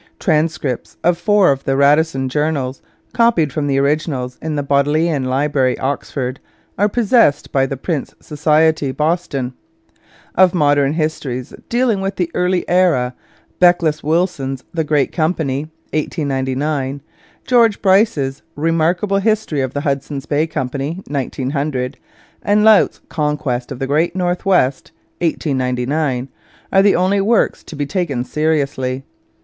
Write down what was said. Transcripts of four of the Radisson Journals copied from the originals in the Bodleian Library, Oxford are possessed by the Prince Society, Boston. Of modern histories dealing with the early era Beckles Willson's The Great Company (1899), George Bryce's Remarkable History of the Hudson's Bay Company (1900), and Laut's Conquest of the Great North West (1899) are the only works to be taken seriously.